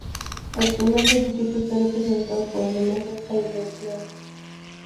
Actualmente el distrito está representado por el Demócrata Yvette Clarke.